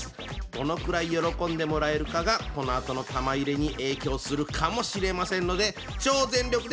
どのくらい喜んでもらえるかがこのあとの玉入れに影響するかもしれませんので超全力で頑張ってください！